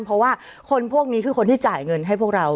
เพราะว่าคนพวกนี้คือคนที่จ่ายเงินให้พวกเรา